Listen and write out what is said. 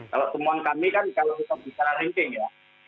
kalau temuan kami kan kalau kita bicara linking ya